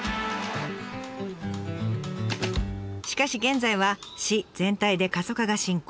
しかし現在は市全体で過疎化が進行。